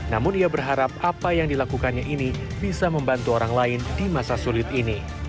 namun ia berharap apa yang dilakukannya ini bisa membantu orang lain di masa sulit ini